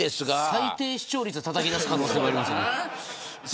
最低視聴率をたたき出す可能性もありますよ。